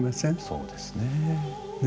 そうですね。ね。